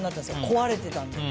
壊れてたので。